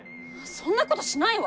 そんなことしないわ！